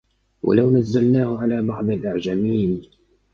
وَلَوْ نَزَّلْنَاهُ عَلَى بَعْضِ الْأَعْجَمِينَ